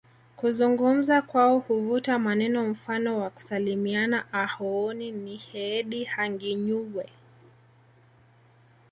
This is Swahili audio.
Kuzungumza kwao huvuta maneno mfano wa kusalimiana Ahooni niheedi hanginyuwe